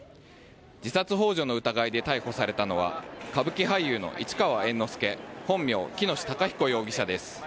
自殺ほう助の疑いで逮捕されたのは、歌舞伎俳優の市川猿之助、本名・喜熨斗孝彦容疑者です。